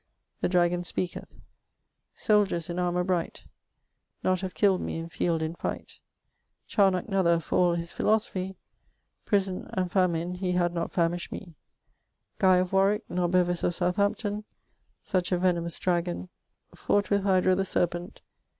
] The dragon speketh: .... souldiers in armoure bright ... ot have kylled me in fyelde in fighte ... rnock nother for all his philosophie ... yson and famyne he had not famysshed me arwicke nor Bevys of Southehampton .... such a venomous dragon .... fowght with Hidra the serpent